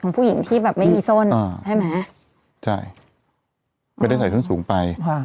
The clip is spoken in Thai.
ก็คือยืนยันคุณกะติก